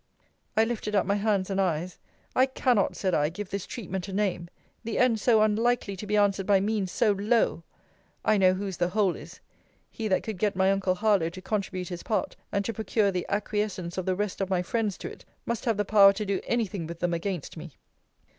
I lifted up my hands and eyes! I cannot, said I, give this treatment a name! The end so unlikely to be answered by means so low! I know whose the whole is! He that could get my uncle Harlowe to contribute his part, and to procure the acquiescence of the rest of my friends to it, must have the power to do any thing with them against me.